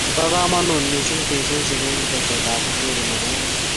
Pa kamanut mising teksosiek eng tesetaet ab uchumi nebo emet